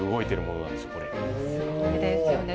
すごいですよね。